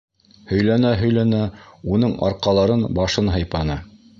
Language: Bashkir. Һөйләнә-һөйләнә уның арҡаларын, башын һыйпаны.